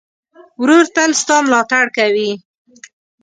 ورور تل ستا ملاتړ کوي.